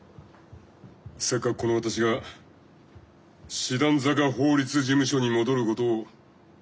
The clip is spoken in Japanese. せっかくこの私が師団坂法律事務所に戻ることを許してやったのに。